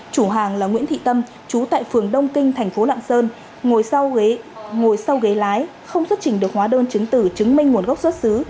chủ hàng là nguyễn thị tâm chú tại phường đông kinh thành phố lạng sơn ngồi sau ngồi sau ghế lái không xuất trình được hóa đơn chứng tử chứng minh nguồn gốc xuất xứ